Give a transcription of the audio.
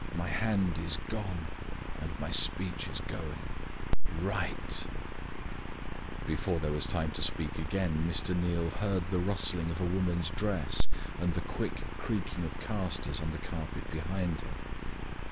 "My hand is gone, and my speech is going. Write!" Before there was time to speak again, Mr. Neal heard the rustling of a woman's dress, and the quick creaking of casters on the carpet behind him.